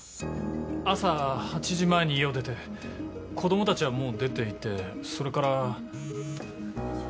朝８時前に家を出て子供たちはもう出ていてそれから。